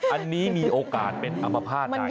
อันนี้มีโอกาสเป็นอัมภาษณ์ใหญ่